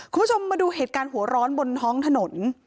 คุณผู้ชมมาดูเหตุการณ์หัวร้อนบนท้องถนน